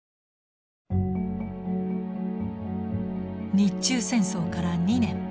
日中戦争から２年。